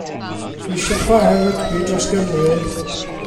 Dwi eisiau chwarae rygbi dros Gymru.